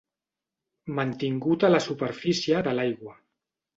Mantingut a la superfície de l'aigua.